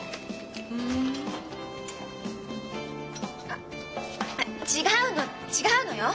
あっ違うの違うのよ。